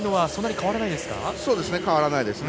変わらないですね。